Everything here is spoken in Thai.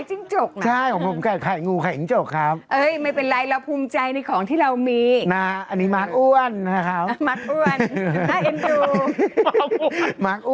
เราร่วมเบรกกันสักครู่นะฮะจากนี้กลับมากันฮะ